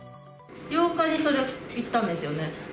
８日にそれは行ったんですよね。